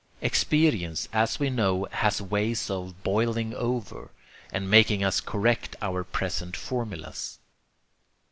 Experience, as we know, has ways of BOILING OVER, and making us correct our present formulas.